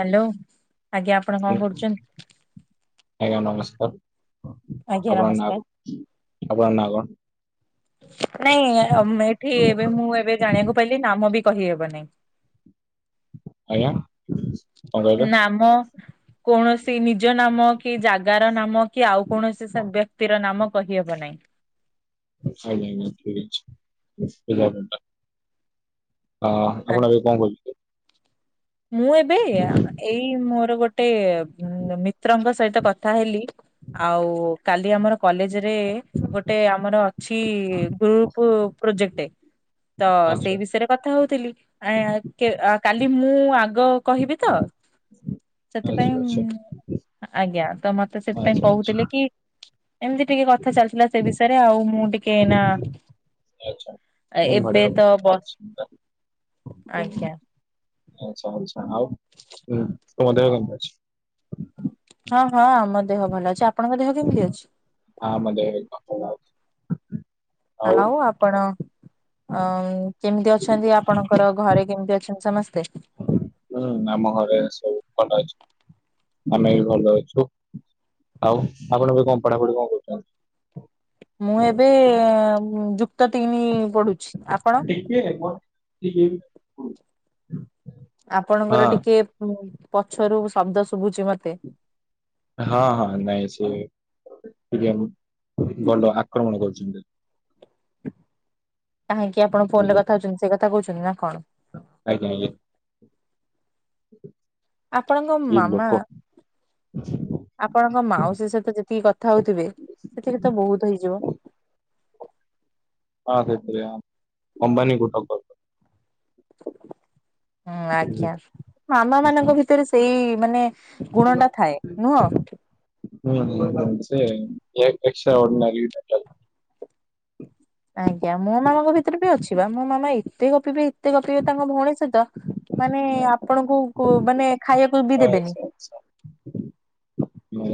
Hello, ଆଜ୍ଞା ଆପଣ କଣ ହ୍ୟାଲୋ କରୁଛନ୍ତି? ଆଜ୍ଞା ନମସ୍କାର। ଆଜ୍ଞା ଆପଣଙ୍କର ନମସ୍କାର ନାଁ, ଆପଣଙ୍କର ନାଁ କଣ? ନାଇଁ ଅମ୍ ଏଠି ଏବେ ମୁଁ ଏବେ ଜାଣିଆକୁ ପାଇଲିି, ନାମ ବି କହିହେବ ନାଇଁ। ଆଜ୍ଞା? କଣ କହିଲେ? ନାମ, କୌଣସି ନିଜ ନାମ, କି ଜାଗାର ନାମ କି ଆଉ କୌଣସି ସେ ବ୍ୟକ୍ତିର ନାମ କହିହେବ ନାହିଁ। ଆଜ୍ଞା ଆଜ୍ଞା ଠିକ ଅଛି। [unintelligible] ହଁ ଆପଣ ଏବେ କଣ କରୁଛ ମୁଁ ଏବେ, ଏଇ ମୋର ଗୋଟେ ମିତ୍ରଙ୍କ ସହିତ କଥା ହେଲି ଆଉ କାଲି ଆମର କଲେଜରେ ଗୋଟେ ଆମର ଅଛି ଗ୍ରୁପ ପ୍ରୋଜେକ୍ଟ। ତ ଆଚ୍ଛା ସେଇ ବିଷୟରେ କଥା ହଉଥିଲି। ଆ କେ କାଲି ମୁଁ ମୁଁ ଆଗ କହିବି ତ ସେଥିପାଇଁ, ଆଚ୍ଛା ଆଚ୍ଛା ଆଜ୍ଞା ତ ମତେ ସେଥିପାଇଁ ଆଚ୍ଛା ଆଚ୍ଛା କହୁଥିଲେ କି ଏମତି ଟିକେ କଥା ଚାଲିଥିଲା ସେ ବିଷୟରେ ଆଉ। ମୁଁ ଟିକେ ଏଇନା ଆଚ୍ଛା। ବଢିଆ ଏ-ଏବେ ତ ବ ଆଚ୍ଛା ଆଜ୍ଞା। ଆଚ୍ଛା ଆଚ୍ଛା। ଆଉ ହଁ, ତମ ଦେହ କେମତି ଅଛି? ହଁ ହଁ, ଆମ ଦେହ ଭଲ ଅଛି। ଆପଣଙ୍କ ଦେହ କେମତି ଅଛି? ହଁ ଆମ ଦେହ ବି ଭଲ ଅଛି। ଆଉ ଆପ ଆପଣ ଅଁ କେମିତି ଅଛନ୍ତି ଆପଣଙ୍କର ଘରେ କେମତି ଅଛନ୍ତି ସମସ୍ତେ? ହୁଁ, ଆମ ଘରେ ସବୁ ଭଲ ଅଛନ୍ତି। ଆମେ ବି ଭଲ ଅଛୁ। ଆଉ ଆପଣ ଏବେ କଣ ପଢାପଢି କଣ କରୁଛନ୍ତି? ମୁଁ ଏବେ ଯୁକ୍ତ ତିନି ପଢୁଛି। ଆପଣ? ଟିକେ ହଁ ଆପଣଙ୍କର ଟିକେ ପ-ପଛରୁ ଶବ୍ଦ ଶୁଭୁଛି ମତେ। ହଁ ହଁ। ନାଇଁ ସିଏ ଟିକେ ଗଣ୍ଡ ଆକ୍ରମଣ କରୁଛନ୍ତି। କାହିଁକି ଆପଣ ଫୋନରେ ବୁଝିଲ କଥା ହଉଛନ୍ତି, ସେଇ କଥା କହୁଛନ୍ତି ନା କଣ? ଆଜ୍ଞା ଆଜ୍ଞା। ଆପଣଙ୍କ କି ମାମା ଲୋକ ଆପଣଙ୍କ ମାଉସୀ ସହିତ ଯେତିକି କଥା ହଉଥିବେ, ସେତିକି ତ ବହୁତ ହେଇଯିବ? ହଁ ସେପରି ଆ ଅମ୍ବାନୀକୁ ଟକ୍କର। ହୁଁ ଆଜ୍ଞା। ବୁଝିଲ ମାମାମାନଙ୍କ ଭିତରେ ସେଇ ମାନେ ଗୁଣଟା ଥାଏ ନୁହଁ? ହୁଁ ହୁଁ ହୁଁ ସେ [unintelligible] ଆଜ୍ଞା। ମୋ ମାମାଙ୍କ ଭିତରେ ବି ଅଛି ବା, ମୋ ମାମା ଏତେ ଗପିବେ ଏତେ ଗପିବେ ତାଙ୍କ ଭଉଣୀ ସହିତ, ମାନେ ଟ୍ୟାଲେଣ୍ଟ। ଆପଣଙ୍କୁ କୁ-କୁ ମାନେ ଖାଇଆକୁ ବି ଦେବେନି। ମୁଁ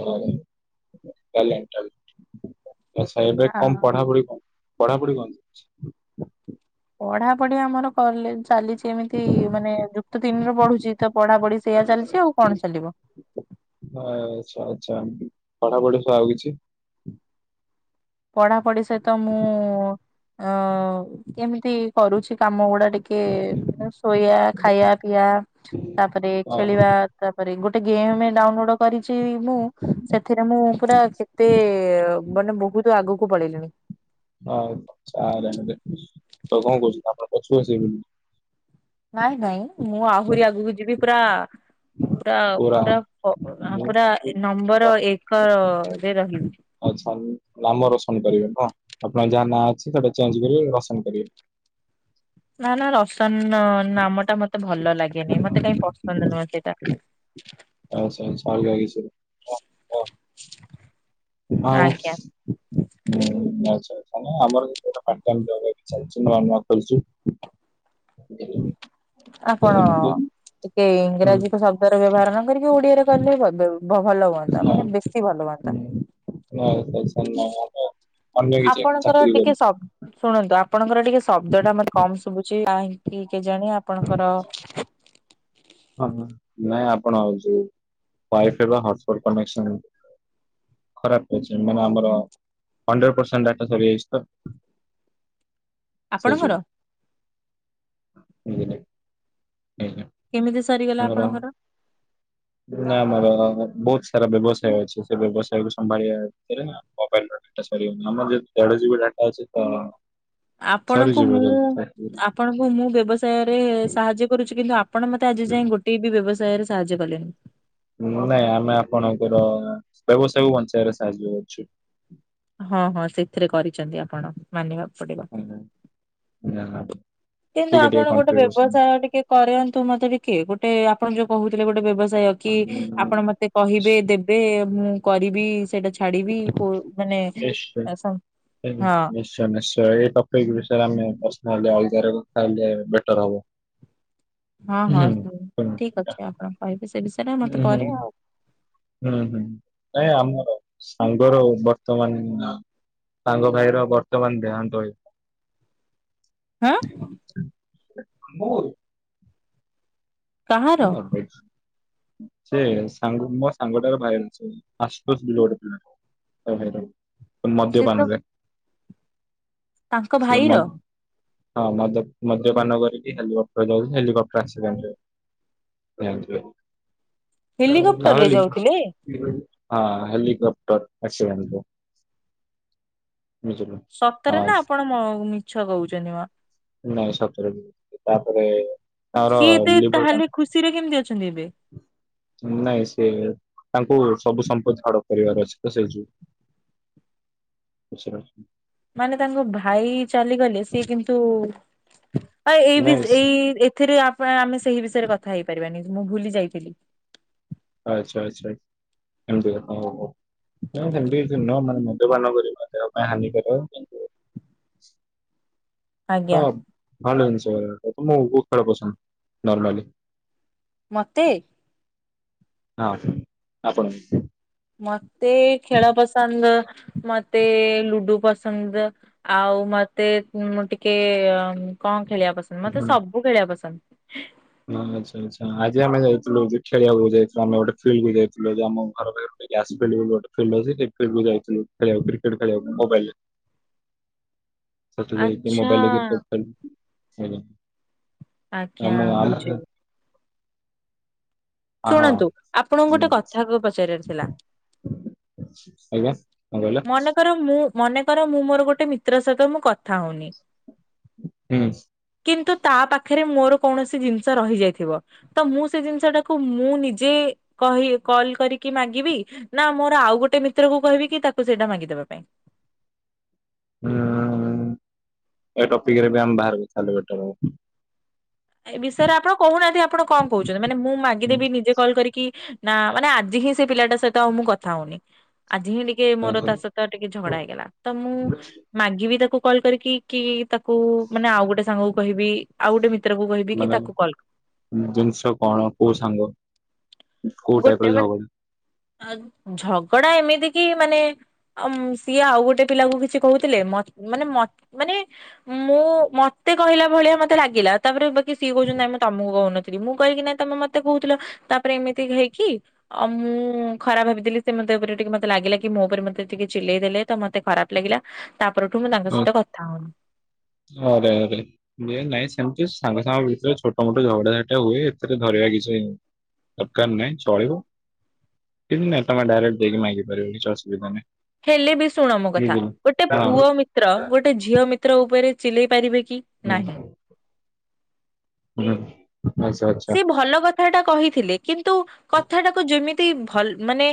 ଘରେ [unintelligible] ଆଚ୍ଛା ଏବେ ଆ କଣ ପଢା ପଢି କଣ ପଢାପଢି କଣ? ଚାଲିଛି? ପଢା ପଢି ଆମର କଲେଜ ଚାଲିଛି। ଯେମିତି ମାନେ ଯୁକ୍ତ ତିନରେ ପଢୁଛି ତ ପଢା ପଢି ସେଇଆ ଚାଲିଛି ଆଉ କଣ ଚାଲିବ। ଆ ଛା ଆଛା ପଢା ପଢି ସହ ଆଉ କିଛି? ପଢା ପଢି ସହିତ ମୁଁ ଅ କେମିତି କରୁଛି କାମ ଗୁଡା ଟିକେ ଶୋଇଆ ଖାଇଆ ପିଇଆ। ତାପରେ ହଁ ହଁ ଖେଳିବା ତାପରେ ଗୋଟେ ଗେମ ଡାଉନଲୋଡ କରିଛି ମୁଁ। ସେଥିରେ ମୁଁ ପୁରା କେତେ ମାନେ ବହୁତ ଆଗକୁ ପଳେଇଲିିଣି। ଆଉ କଣ ‌ଆଜ୍ଞା ଆଜ୍ଞା ଦେଖୁଛି ତାହେଲେ କଣ କହୁଛନ୍ତି ଆପଣ ପଛକୁ ଘୁଞ୍ଚିବେନି। ନାଇଁ ନାଇଁ ମୁଁ ଆହୁରି ଆଗକୁ ଯିବି ପୁରା ପୁରା ପୁରା ପ ପୁରା ମୁଁ ନମ୍ବର ଏକର ରେ ରହିବି। ଆଛା ନାମ ରୋସନ କରିବେ ନୁହଁ ଆପଣଙ୍କ ଯାହା ନାଁ ଅଛି ସେଟା ଚେଞ୍ଜ କରିବେ ରୋସନ କରିବେ। ନା ନା ରୋସନ ନାମ ଟା ମତେ ଭଲ ଲାଗେନି ମତେ କାଇଁ ପସନ୍ଦ ନୁହେଁ ସେଇଟା। ଆଛା ଆଛା ଅଲଗା କିଛି। ନାହିଁ। ଆଉ। ଆଜ୍ଞା। ହୁଁ ଆଛା ଆଛା ନାଇଁ ଆମର ଏବେ ଗୋଟା ପାର୍ଟ ଟାଇମ୍ ଯବ ଚାଲିଛି ନୂଆ ନୁଆ କରିଛୁ। ହ ଆପଣ ଟିକେ ଇଂରାଜୀ କୁ ଶବ୍ଦରେ ବ୍ୟବହାର କାଇଁ। ଫିରି ବି ଓଡିଆରେ କହିଲେ ବଦଳୁ ଭଲ ହୁଅନ୍ତା ମାନେ ବେଶୀ ଭଲ ହୁଅନ୍ତା। ନାଇଁ ପ ଇସା ନାଇଁ [unintelligible] ଅନ୍ୟ କିଛି ଏକ ଆପଣଙ୍କର ଚାକିରି ଟିକେ କରୁଛୁ। ଶବ୍ ଶୁଣନ୍ତୁ ଆପଣଙ୍କ ର ଟିକେ ଶବ୍ଦ ଟା ମତେ କମ ଶୁଭୁଛି କାହିଁକି କେ ଜାଣି ଆପଣଙ୍କ ର। ହଁ ନାଇଁ ଆପଣ ଯୋଉ ୱାଇ ଫାଇ ରୁ ବା ହଟ ସ୍ପଟ କନେକ୍ସନ ହେଇଛି। ଖରାପ ଅଛି ମାନେ ଆମର ହଣ୍ଡ୍ରେଡ ପରସେଣ୍ଟ ଡାଟା ସରିଜାଇଛି ତ। ସେଇଥି ଆପଣଙ୍କର ପାଇଁ ବୁଝିଲେ। ଆଜ୍ଞା। କେମିତି ସରିଗଲା ଆପଣଙ୍କର। ନା ଆମର ବହୁତ ସାରା ବ୍ୟବସାୟ ଅଛି ସେ ବ୍ୟବସାୟ କୁ ସମ୍ଭାଳିବା ଭିତରେ ନା। ମୋବାଇଲ ର ଡାଟା ସରିଗଲା ଆମର ଯେହେତୁ ଦେଢ ଜିବି ଡାଟା ଅଛି ତ। ଆପଣଙ୍କୁ ସରିଯିବ ମୁଁ। ଜଲଦି। ଆପଣଙ୍କୁ ମୁଁ ବ୍ୟବସାୟରେ ସାହାଯ୍ୟ କରୁଛି କିନ୍ତୁ ଆପଣ ମତେ ଆଜି ଯାଏଁ ଗୋ ଟେ ବି ବ୍ୟବସାୟରେ ସାହାଯ୍ୟ କଲେନି। ନାଇଁ ଆମେ ଆପଣଙ୍କର ବ୍ୟବସାୟକୁ ବଞ୍ଚାଇବାରେ ସାହାଯ୍ୟ କରୁଛୁ। ହଁ ହଁ ସେଥିରେ କରିଛନ୍ତି ଆପଣ ମାନିବାକୁ ପଡିବ। [unintelligible] କିନ୍ତୁ ଟିକେ ଟିକେ ଆପଣ ଗୋଟେ କଣ୍ଟ୍ରିବ୍ୟୁସନ। ବ୍ୟବସାୟ ଟିକେ କରନ୍ତୁ ମତେ ଟିକେ ଗୋଟେ ଆପଣ ଯୋଉ କହୁଥିଲେ ଗୋଟେ ବ୍ୟବସାୟ। କି ଆପଣ ମତେ କହିବେ ଦେବେ ମୁଁ କରିବି ସେଇଟା ଛାଡ଼ିବି ପୋ ମାନେ ସ ହଁ। ନିଶ୍ଚୟ ନିଶ୍ଚୟ ଏ ଟ ପିକ ବିଷୟରେ ଆମେ ପରସନାଲି ଆଉ ଥରେ କଥା ହେଲେ ବେଟର ହବ। ହଁ ହୁଁ ହଁ ସିଓର ଠିକ ଅଛି ଆପଣ କହିବେ ସେ ବିଷୟ। ଉଁ। ହୁଁ ହୁଁ ନାଇ ଆମର ସାଙ୍ଗର ବର୍ତ୍ତମାନ। ତାଙ୍କ ଭାଇର ବର୍ତ୍ତମାନ ଦେହାନ୍ତ ହେଇଗଲା। ହଁ [unintelligible] କିଏ କାହାର ମାରିଦେଇଛି। ସେ ସାଙ୍ଗୁ ମୋ ସାଙ୍ଗଟାରେ ଭାଇ ର ଆଶୁତୋଷ ବେଲି ଗୋଟେ ପିଲା ଟା। ତା ଭାଇର ମଦ୍ୟ ସେ ତ ପାନରେ ତାଙ୍କ ସେ ଭାଇର ମ ହଁ ମଦ ମଦ୍ୟ ପାନ କରିକ ହେଲିକାପ୍ଟର ରେ ଯାଉଛି ହେଲିକପ୍ଟର ଆକ୍ସିଡେଣ୍ଟ ରେ। ଏ ଆଣୁଥୁବେ ହେଲିକପ୍ଟର ତାପରେ ରେ ଲି ଯାଉଥିଲେ ହଁ ହେଲିକପ୍ଟର ଆସି [unintelligible] ସତରେ ହଁ ନା ଆପଣ ମ ମିଛ କୋହୁଚନ୍ତି ମ? ନାଇଁ ସତରେ ବି ତାପରେ ତାର ସିଏ ଏବେ ଲିଭର କ୍ୟାନ ତାହେଲେ ଖୁସିରେ କେମତି ଅଛନ୍ତି ଏବେ? ନାଇଁ ସିଏ ତାଙ୍କୁ ସବୁ ସମ୍ପ ଝାଡ କରିବାର ଅଛି ତ ସେଇ ଯୋଉ ତ ସେରା ମାନେ ତାଙ୍କ ଭାଇ ଚାଲିଗଲେ ସିଏ କିନ୍ତୁ ଆ ଏଇ ନାଇଁ ବିସ୍ ଏଇ ଏ ଏଥିରେ ଆ ପାଇଁ ଆମେ ସେହି ବିଷୟରେ କଥା ହେଇପାରିବାନି ମୁଁ ଭୁଲିଯାଇଥିଲି। ଆଚ୍ଛା ଆଚ୍ଛା ଏମତି କଥା ହୋଉ ହୋଉ ନାଇଁ ସେମତି କିଛି ନୁହଁ ମୁଁ ଜିବନ କରି [inaudible] କାଇଁ ହାନି କରିବ। ତ ଆଜ୍ଞା ଭଲ ଜିନିଷ [unintelligible] ମୁଁ ବୋହୁତ ଖେଳ ପସନ୍ଦ ନର୍ମାଲି। ମତେ? ହଁ ଆପଣଙ୍କୁ। ମତେ ଖେଳ ପସନ୍ଦ ମତେ ଲୁଡୁ ପସନ୍ଦ। ଆଉ ମତେ ଉଁ ମୁଁ ଟିକିଏ କଣ ଖେଳିବା ପସନ୍ଦ ମତେ ସବୁ ଖେଳିବା ପସନ୍ଦ। ହଁ ଆଛା ଆଛା ଆଜି ଆମେ ଯାଇଥିଲୁ ବି ଖେଳିଆକୁ ଯାଇଥିଲୁ ଆମେ ଗୋଟେ ଫିଲଡକୁ ଯାଇଥିଲୁ ଆଜି ଆମ ଘର ପାଖରେ [unintelligible] ଫିଲଡ୍ ବି ଗୋଟେ ଫେମସ ସେ ଫିଲଡକୁ ଯାଇଥିଲୁ ଖଳିବାକୁ କ୍ରିକେଟ ଖେଳିବାକୁ ମୋବାଇଲରେ। [inaudible] ସେଠି ଯାଇକି ଆଚ୍ଛା ମୋବାଇଲରେ କ୍ରିକେଟ ଖେଳଲୁ ମୋବା ଆଜ୍ଞା ବୁଝିଲି। ହଁ ହଁ ଶୁଣନ୍ତୁ ଆପଣଙ୍କୁ ଗୋଟେ ହୁଁ, କଥା ପଚାରିବାର ଥିଲା। ଆଜ୍ଞା କଣ କହିଲ? ମନେକର ମୁଁ ମନେକର ମୁଁ ମୋର ଗୋଟେ ମିତ୍ର ସହିତ ମୁଁ କଥା ହୋଉନି। ହୁଁ। କିନ୍ତୁ ତା ପାଖରେ ମୋର କୌଣସି ଜିନଷ ରହିଯାଇଥିବ ତ ମୁଁ ସେ ଜିନଷଟା କୁ ମୁଁ ନିଜେ କହି କଲ କରିକି ମାଗିବି ନା ମୋର ଆଉ ଗୋଟେ ମିତ୍ରକୁ କହିବି କି ତାକୁ ସେଇଟା ମାଗିଦବା ପାଇଁ? ହୁଁ ଏ ଟପିକରେ ବି ଆମେ ବାହାରେ କଥା ହେଲେ ବେଟର ହବ। ଏ ବିଷୟରେ ଆପଣ କୋହୁନାହାନ୍ତି ଆପଣ କଣ କୋହୁଚନ୍ତି ମାନେ ମୁଁ ମାଗିଦେବି ନିଜେ କଲ୍ କରିକି ନା ମାନେ ଆଜି ହିଁ ସେ ପିଲାଟା ସହିତ ଆଉ ମୁଁ କଥା ହୋଉନି ଆଜି ହିଁ ଟିକେ ମୋର ତା ସ ହବ। ତ ଟିକେ ଝଗଡା ହେଇଗଲା ତ ମୁଁ ମାଗିବି ତାକୁ କଲ୍ କରିକି କି ତାକୁ ମାନେ ଆଉ ଗୋଟେ ସାଙ୍ଗକୁ କହିବି ଆଉ ଗୋଟେ ମି ତ୍ରକୁ କହିବି କି ତାକୁ କଲ୍ ଜିନଷ କଣ କୋଉ ସାଙ୍ଗ? କୋଉ ଟାଇପ ର ଗୋଟେ ମାନ୍ ଝଗଡା ଆଁ ଝଗଡା ଏମିତି କି ମାନେ ଆମ୍ ସିଏ ଆଉ ଗୋଟେ ପିଲାକୁ କିଛି କୋହୁଥିଲେ ମ ମାନେ ମ ମାନେ ମୁଁ ମତେ କହିଲା ଭଳିଆ ମତେ ଲାଗିଲା ତାପରେ ବାକି ସିଏ କୋହୁଚନ୍ତି ନାଇଁ ମୁଁ ତମୁକୁ କୋହୁନଥୁଲି ମୁଁ କହିଲି କି ନାଇଁ ତମେ ମ ତେ କୋହୁଥୁଲ ତାପରେ ଏମିତି ହେଇକି ଆଉ ମୁଁ ଖରାପ୍ ଭାବିଦେଲି ସେ ମତେ ଉପରେ ଟିକେ ମତେ ଲାଗିଲା କି ମୋ ଉପରେ ମତେ ଟିକେ ଚିଲେଇ ଦେଲେ। ତ ମତେ ଖରାପ ଲାଗିଲା ତା ପରଠୁ ମୁଁ ତାଙ୍କ ସହିତ କଥା ହୋଉନି। ଆରେ ଆରେ ମେନ ନାଇଁ ସେମତି ସାଙ୍ଗ ସାଙ୍ଗ ଭିତରେ ଛୋଟ ମୋଟ ଝଗଡାଝାଣ୍ଟି ହୁଏ ଏଥିରେ ଧରିବା କିଛି ଦରକାର ନାଇଁ ଚଳିବ। କିନ୍ତୁ ନାଇଁ ତମେ ଡାଇରେକ୍ଟ ଦେଇକି ମାଗିପାରିବ କିଛି ଅସୁବିଧା ନାଇଁ। ହେଲେ ବି ଶୁଣ ମୋ କଥା ଗୋଟେ ପୁଅ ମିତ୍ର ଗୋଟେ ଝିଅ ମିତ୍ର ଉପରେ ଚିଲେଇ ପାରିବେ କି ନାହିଁ? ନାଁ। କଥା ହିସାବରେ ସେ ଭଲ କଥା ଟା କହିଥିଲେ କିନ୍ତୁ କଥାଟାକୁ ଯେମିତି ଭଲ ମାନେ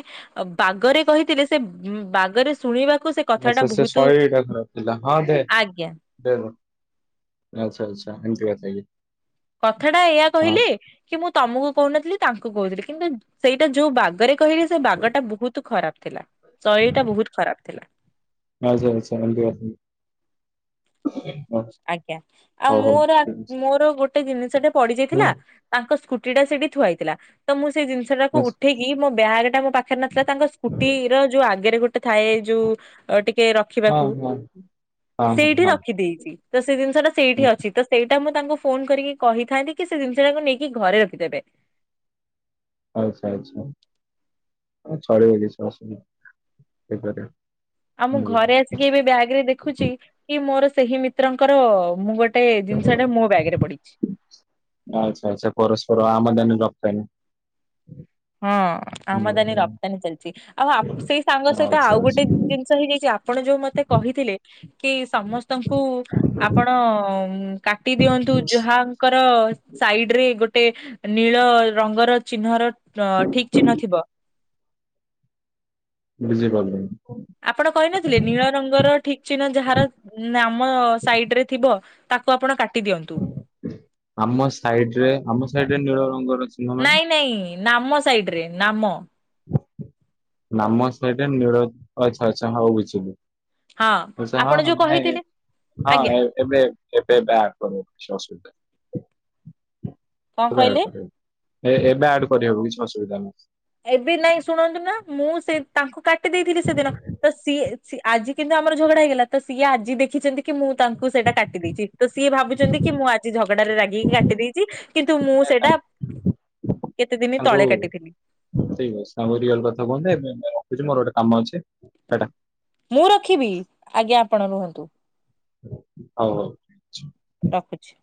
ବାଗରେ କହିଥିଲେ ସେ ଉଁ ବାଗରେ ଶୁଣିବା ଆଛା ସେ ଶୈଳୀଟା ଖରାପ୍ ଥିଲା ହଁ ଦେ ଆଜ୍ଞା ଦେମ ଆଚ୍ଛା ଆଚ୍ଛା ଏନ୍ତି କଥାକି କଥା ଟା ଏୟା କହିଲି ତମକୁ କହୁନଥିଲି ତାଙ୍କୁ କହୁଥିଲୁ ସେଟା ଯଉ ବାଗରେ କହିଲି ସେ ବାଗ ଟା ବହୁତ ଖରାପ ଥିଲା ଶୈଳି ଟା ବହୁତ ଖରାପ ଥିଲା। ଆଚ୍ଛା ଆଚ୍ଛା ଏମିତି କଥା କି ଆଜ୍ଞା ଆଉ ହଉ ହଉ ମୋର ଠିକ୍ ଅଛି ମୋର ଗୋଟେ ଜିନିଷ ଟେ ହଁ ପଡିଯାଇଥିଲା ତାଙ୍କ ସ୍କୁଟି ଟା ସେଠି ଥୁଆଇଥିଲା ତ ମୁଁ ସେଇ ଜିନିଷ ଟାକୁ ହଁ ଉଠେଇକି ମୋ ବ୍ୟାଗ ଟା ପାଖରେ ନଥିଲା ତାଙ୍କ ସ୍କୁଟିର ଯୋଉ ଆଗରେ ଗୋଟେ ଥାଏ ଯୋଉ ଟିକେ ରଖିବାକୁ ହଁ ହଁ ସେଇଠି ହଁ ରଖିଦେଇଛି ତ ସେ ଜିନିଷଟା ସେଇଠି ଅଛି ତ ସେ ସେଟା ମୁଁ ତାଙ୍କୁ ଫୋନ କରିକି କହିଥାନ୍ତି କି ସେ ଜିନିଷ ଟାକୁ ନେଇକି ଘରେ ରଖିଦେବେ। ଆଚ୍ଛା ଆଚ୍ଛା, ହଉ ଚାଲିବ କିଛି ଅସୁବିଧା ନାହିଁ, ହେଇପାରିବ। ଆଉ ମୁଁ ଘରେ ଆସିକି ଏବେ ବ୍ୟାଗ ରେ ଦେଖୁଛି କି ମୋର ସେହି ମିତ୍ରଙ୍କର ମୁଁ ଗୋଟ ଗୋଟେ ଜିନିଷ ଟେ ମୋ ବ୍ୟାଗ ରେ ପଡିଚି। ଆଛା ଆଛା ପରସ୍ପର ଆମଦାନି ରପ୍ତାନି। ହଁ ଆମଦାନୀ ରପ୍ତାନୀ ଚାଲିଚି, ଆଉ ସେଇ ସାଙ୍ଗ ସହିତ ଆଚ୍ଛା ଆଉ ଆଚ୍ଛା ଗୋଟେ ଜି ଜିନିଷ ହେଇଯାଇଚି ଆପଣ ଯୋଉ ମତେ କହିଥିଲେ, କି ସମସ୍ତଙ୍କୁ ଆପଣ କାଟି ଦିଅନ୍ତୁ ଯୁହାଙ୍କର ସାଇଡ ରେ ଗୋଟେ ନୀଳ ରଙ୍ଗର, ଚିହ୍ନର ଅ ଠିକ ଚିହ୍ନ ଥିବ। ଯିବା ପାଇଁ। ଆପଣ କହିନଥିଲେ, ନୀଳ ରଙ୍ଗର ଠିକ ଚିହ୍ନ ଯାହାର ନାମ ସାଇଡ ରେ ଥିବ ତାକୁ ଆପଣ କାଟି ଦିଅନ୍ତୁ। ଆମ ସାଇଡ ରେ, ଆମ ସାଇଡ ରେ ନୀଳ ରଙ୍ଗର ଅଛି। ନାଇଁ ନାଇଁ, ନାମ ସାଇଡରେ ନାମ। ନାମ ସେଇଡେ ରେ ନିଳ ଆଛା ଆଚ୍ଛା ହଉ ବୁଝିଲି। ହଁ ଓସ ଆପଣ ଯୋଉ ନାଇଁ କହିଥିଲେ ଆଜ୍ଞା ହଁ ଏଁ ଏବେ ଏବେ ବାହାର କର କିଛି ଆସୁବିଧା କଣ କହିଲେ? ଏବେ ଆଡ କରିହବ କିଛି ଅସୁବିଧା ନାହିଁ। ଏବେ ନାଇଁ ଶୁଣନ୍ତୁ ନା, ମୁଁ ସେ ତାଙ୍କୁ କାଟି ଦେଇଥିଲି ସେଦିନ। ତ ସିଏ, ଆଜି କିନ୍ତୁ ଆମର ଝଗଡା ହେଇଗଲା ତ ସିଏ ଆଜି ଦେଖିଛନ୍ତି କି ମୁଁ ତାଙ୍କୁ ସେଇଟା କାଟି ଦେଇଚି, ତ ସିଏ ଭାବୁଚନ୍ତି କି ମୁଁ ଆଜି ଝଗଡାରେ ରାଗିକି କାଟି ଦେଇଚି କିନ୍ତୁ ମୁଁ ସେଇଟା, କେତେ ଦିନ ତାଙ୍କୁ ତଳେ କାଟିଥିଲି। ଠିକ ଅଛି ସାଙ୍ଗ ରିଅଲ କଥା କୁହନ୍ତେ, ଏବେ ରଖୁଛି ମୋର ଗୋଟେ କାମ ଅଛି, ଟା ଟା। ମୁଁ ରଖିବି, ଆଜ୍ଞା ଆପଣ ରୁହନ୍ତୁ। ହଉ ହଉ। ରଖୁଚି।